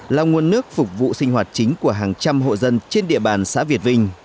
là nguồn nước phục vụ sinh hoạt chính của hàng trăm hộ dân trên địa bàn xã việt vinh